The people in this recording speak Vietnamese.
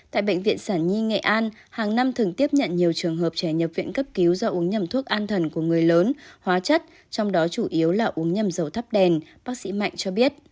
tại bệnh viện sản nhi nghệ an hàng năm thường tiếp nhận nhiều trường hợp trẻ nhập viện cấp cứu do uống nhầm thuốc an thần của người lớn hóa chất trong đó chủ yếu là uống nhầm dầu thắp đèn bác sĩ mạnh cho biết